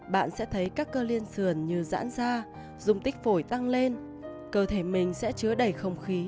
bạn sẽ thấy các cơ liên xườn như dãn ra dùng tích phổi tăng lên cơ thể mình sẽ chứa đầy không khí